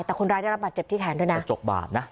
แต่คนร้ายได้รับบาดเจ็บที่แขนด้วยนะกระจกบาดนะ